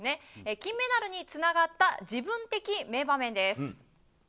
金メダルにつながった自分的名場面です。